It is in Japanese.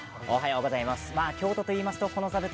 京都といいますと座布団。